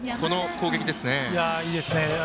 いいですね。